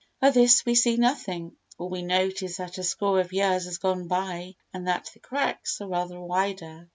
Of this we see nothing. All we note is that a score of years have gone by and that the cracks are rather wider.